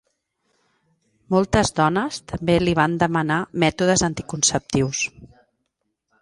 Moltes dones també li van demanar mètodes anticonceptius.